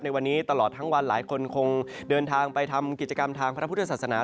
ในวันนี้ตลอดทั้งวันหลายคนคงเดินทางไปทำกิจกรรมทางพระพุทธศาสนา